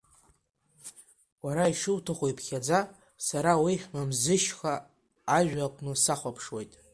Уара ишуҭаху иԥхьаӡа, сара уи Мамӡышьха ажәҩа акәны сахәаԥшуеит…